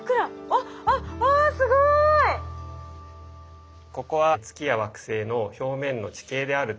あっあっあすごい！へえ。